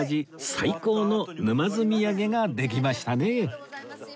最高の沼津土産ができましたね